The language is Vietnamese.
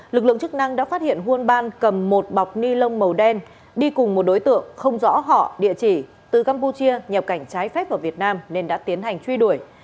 lực lượng chức năng đã phát hiện huôn ban cầm một bọc ni lông màu đen đi cùng một đối tượng không rõ họ địa chỉ từ campuchia nhập cảnh trái phép vào việt nam nên đã tiến hành truy đuổi